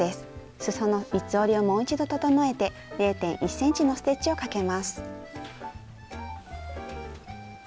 すその三つ折りをもう一度整えて０．１ｃｍのステッチをかけます。